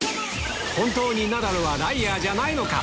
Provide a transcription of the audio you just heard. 本当にナダルはライアーじゃないのか？